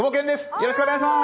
よろしくお願いします。